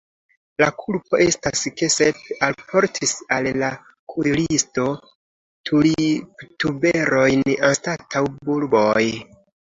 La kulpo estas ke Sep alportis al la kuiristo tuliptuberojn anstataŭ bulboj.